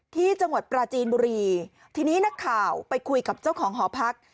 ที่จังหวัดปราจีนบุรีทีนี้นักข่าวไปคุยกับเจ้าของหอพัก